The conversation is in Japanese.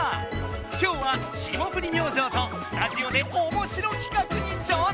今日は霜降り明星とスタジオでおもしろ企画に挑戦！